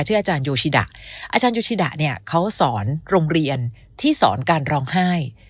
อาจารย์โยชิดะอาจารยูชิดะเนี่ยเขาสอนโรงเรียนที่สอนการร้องไห้